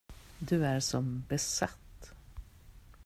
Du är som besatt.